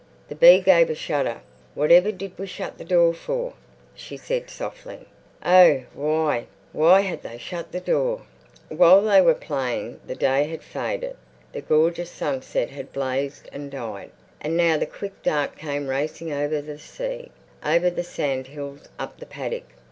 The bee gave a shudder. "Whatever did we shut the door for?" she said softly. Oh, why, why had they shut the door? While they were playing, the day had faded; the gorgeous sunset had blazed and died. And now the quick dark came racing over the sea, over the sand hills, up the paddock.